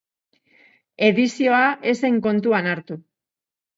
Edizioa ez zen kontuan hartu.